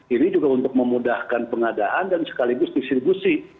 ini juga untuk memudahkan pengadaan dan sekaligus distribusi